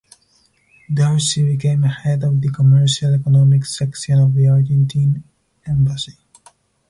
There she became head of the commercial economic section of the Argentine embassy.